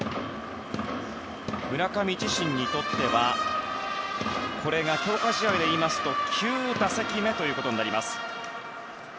村上自身にとってはこれが強化試合でいうと９打席目ということになります。